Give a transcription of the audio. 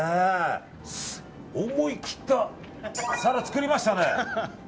思い切った皿を作りましたね。